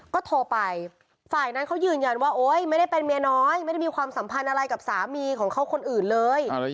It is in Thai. ก็โทรไปฝ่ายนั้นเขายืนยันว่าโอ๊ยไม่ได้เป็นเมียน้อยไม่ได้มีความสัมพันธ์อะไรกับสามีของเขาคนอื่นเลย